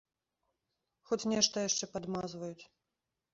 Хоць нешта яшчэ падмазваюць.